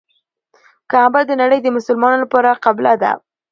کعبه د نړۍ د مسلمانانو لپاره قبله ده.